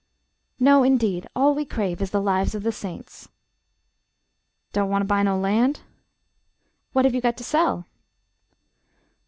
"No, indeed; all we crave is the 'Lives of the Saints.'" "Don't want to buy no land?" "What have you got to sell?"